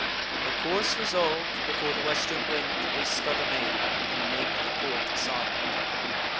The course resolv'd, before the western wind They scud amain, and make the port assign'd.